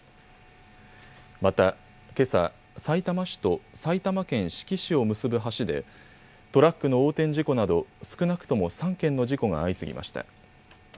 また、けさ、さいたま市と埼玉県志木市を結ぶ橋でトラックの横転事故など少なくとも３件の事故が相次ぎました。